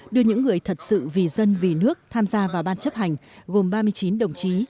đưa những người thật sự vì dân vì nước tham gia vào ban chấp hành gồm ba mươi chín đồng chí